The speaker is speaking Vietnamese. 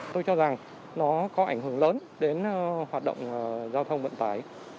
tôi cho rằng nó có ảnh hưởng lớn đến hoạt động giao thông vận tải